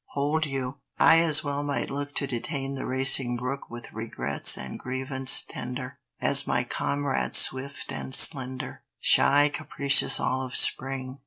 Hold you! I as well might look To detain the racing brook With regrets and grievance tender, As my comrade swift and slender, Shy, capricious, all of spring!